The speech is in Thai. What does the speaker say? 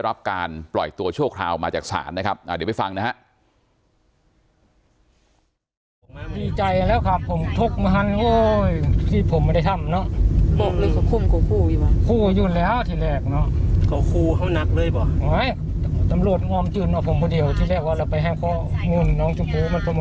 รับการปล่อยตัวชั่วคราวมาจากศาลนะครับเดี๋ยวไปฟังนะฮะ